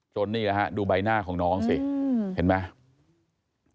นี่แหละฮะดูใบหน้าของน้องสิเห็นไหม